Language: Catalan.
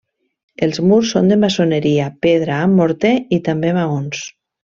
Els murs són de maçoneria, pedra amb morter i també maons.